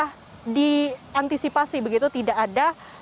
bisa diantisipasi begitu tidak ada